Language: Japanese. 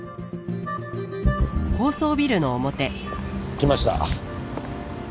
来ました。